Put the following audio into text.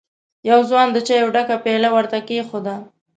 يوه ځوان د چايو ډکه پياله ور ته کېښوده.